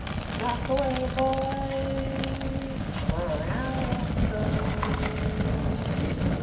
Knock away, boys, for er nour er so.